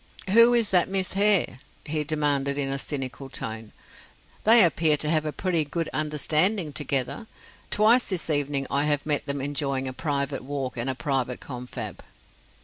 "Who is that Miss Hare?" he demanded in a cynical tone. "They appear to have a pretty good understanding together. Twice this evening I have met them enjoying a private walk and a private confab."